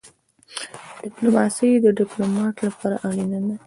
ډيپلوماسي د ډيپلومات لپاره اړینه ده.